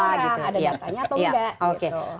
sekarang ada datanya atau enggak gitu